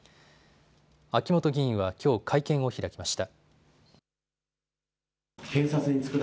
秋元議員はきょう会見を開きました。